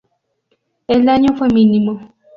El daño fue mínimo.